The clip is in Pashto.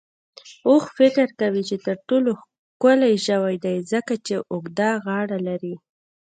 اوښ فکر کوي چې تر ټولو ښکلی ژوی دی، ځکه چې اوږده غاړه لري.